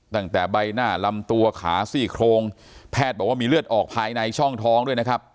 ตั้งแต่ใบหน้าลำตัวขาซี่โครงแพทย์บอกว่ามีเลือดออกภายในช่องท้องด้วยนะครับ